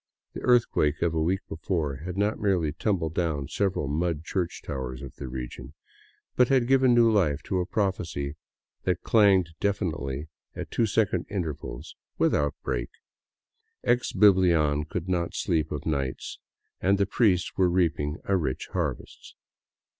The earthquake of a week before had not merely tumbled down several mud church towers of the region, but had given new life to a prophesy that clanged deafeningly at two se*cond intervals without a break, ex Biblian could not sleep of nights and the priests were reaping a rich harvest.